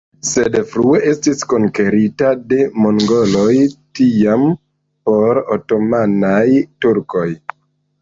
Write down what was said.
Sed frue estis konkerita de mongoloj, tiam por otomanaj turkoj.